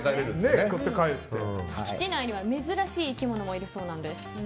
敷地内には珍しい生き物もいるそうです。